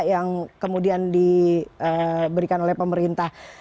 yang kemudian diberikan oleh pemerintah